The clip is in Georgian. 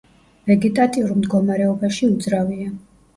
ვეგეტატიურ მდგომარეობაში უძრავია.